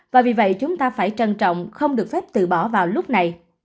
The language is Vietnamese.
và vì vậy chúng ta phải trân trọng không được phép từ bỏ vào lúc này